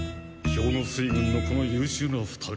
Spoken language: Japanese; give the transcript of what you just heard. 兵庫水軍のこの優しゅうな２人。